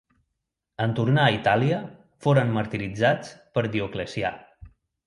En tornar a Itàlia, foren martiritzats per Dioclecià.